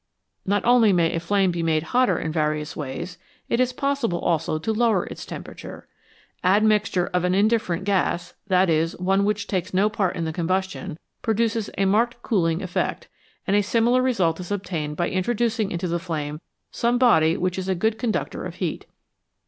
Not only may a flame be made hotter in various ways ; it is possible also to lower its temperature. Ad mixture of an indifferent gas that is, one which takes no part in the combustion produces a marked cooling 160 FLAME: WHAT IS IT? effect, and a similar result is obtained by introducing into the flame some body which is a good conductor of heat.